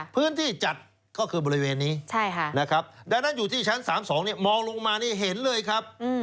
พื้นที่จัดก็คือบริเวณนี้นะครับดังนั้นอยู่ที่ชั้น๓๒มองลงมานี่เห็นเลยครับ